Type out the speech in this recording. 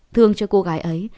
thương cho cô gái ấy